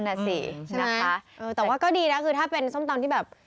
น่ะสินะคะเออแต่ว่าก็ดีนะคือถ้าเป็นส้มตำที่แบบ